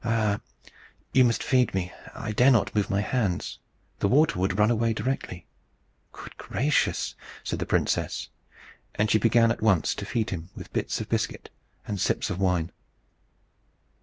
"Ah! you must feed me. I dare not move my hands. The water would run away directly." "Good gracious!" said the princess; and she began at once to feed him with bits of biscuit and sips of wine.